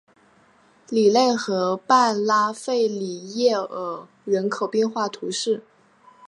里勒河畔拉费里耶尔人口变化图示